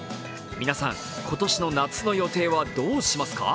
皆さん、今年の夏の予定はどうしますか？